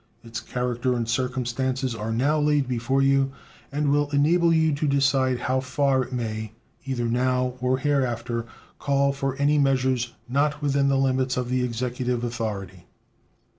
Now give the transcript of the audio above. Its character and circumstances are now laid before you, and will enable you to decide how far it may, either now or hereafter, call for any measures not within the limits of the Executive authority.